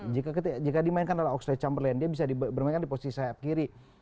jika dimainkan dengan oxlade chamberlain dia bisa bermain di posisi sayap kiri